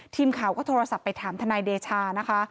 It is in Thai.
ทีมข่าวก็โทรศัพท์ไปถามทนายเดชานะคะ